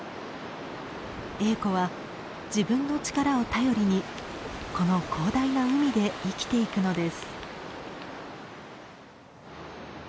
エーコは自分の力を頼りにこの広大な海で生きていくのです。